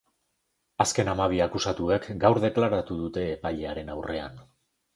Azken hamabi akusatuek gaur deklaratu dute epailearen aurrean.